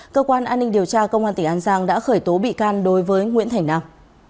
cơ quan an ninh điều tra công an tỉnh an giang đã khởi tố bị can đối với nguyễn thành nam